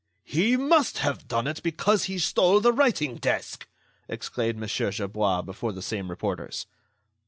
"He must have done it, because he stole the writing desk!" exclaimed Mon. Gerbois before the same reporters.